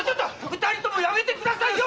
二人ともやめてくださいよ！